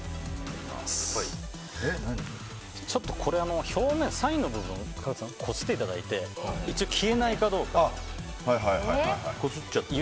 ちょっとこれも表面のサインの部分を角田さん、こすっていただいて消えないかどうか。